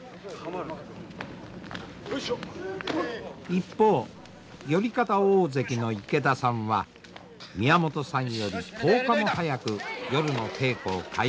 一方寄方大関の池田さんは宮本さんより１０日も早く夜の稽古を開始しました。